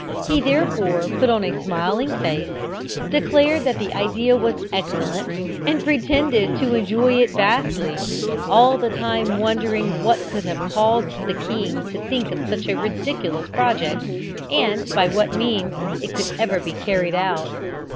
He therefore put on a smiling face, declared that the idea was excellent, and pretended to enjoy it vastly, all the time wondering what could have caused the king to think of such a ridiculous project, and by what means it could ever be carried out.